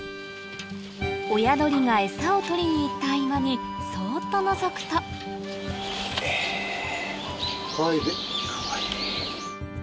親鳥がエサを取りに行った合間にそっとのぞくとかわいい。